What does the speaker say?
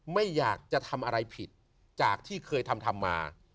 ไม่อยากจะทำอะไรผิดจากที่เคยทำมา